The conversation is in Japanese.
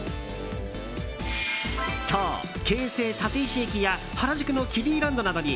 今日、京成立石駅や原宿のキディランドなどに